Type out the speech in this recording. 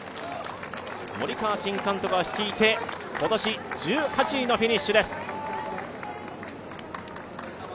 森川新監督が率いて今年１８位のフィニッシュです。